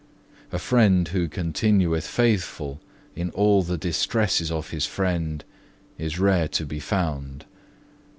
A friend who continueth faithful in all the distresses of his friend is rare to be found.